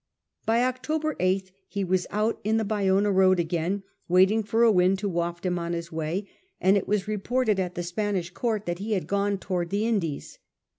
By October 8th he was out in the Bayona road again, waiting for a wind to waft him on his way, and it was 102 SIR FRANCIS DRAKE chap. reported at the Spanish Court that he had gone towards the Indies.